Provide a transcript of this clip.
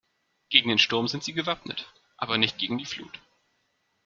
Gegen den Sturm sind sie gewappnet, aber nicht gegen die Flut.